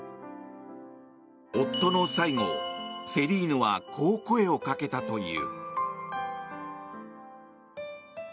夫の最期、セリーヌはこう声をかけたという。